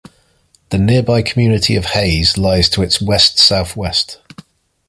The nearby community of Hays lies to its west-southwest.